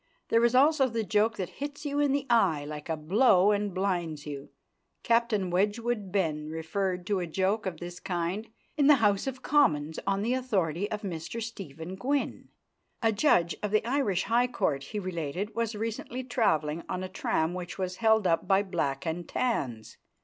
There is also the joke that hits you in the eye like a blow and blinds you. Captain Wedgwood Benn referred to a joke of this kind in the House of Commons on the authority of Mr Stephen Gwynn. A judge of the Irish High Court, he related, was recently travelling on a tram which was held up by Black and Tans.